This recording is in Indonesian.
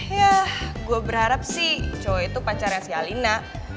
yah gue berharap sih cowo itu pacarnya si alina